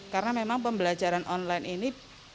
karena memang pembelajaran online ini